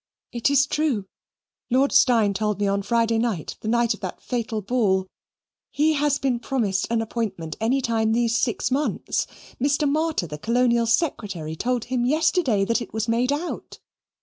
"It is true. Lord Steyne told me on Friday night, the night of that fatal ball. He has been promised an appointment any time these six months. Mr. Martyr, the Colonial Secretary, told him yesterday that it was made out.